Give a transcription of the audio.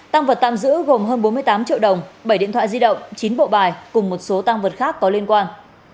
tăng vật tạm giữ gồm hơn bốn mươi tám triệu đồng bảy điện thoại di động chín bộ bài cùng một số tăng vật khác có liên quan